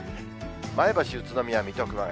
前橋、宇都宮、水戸、熊谷。